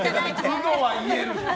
うのは言える！